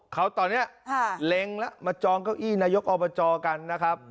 เขาตอนนี้เล็งแล้วมาจองเก้าอี้นายกอบจกันนะครับ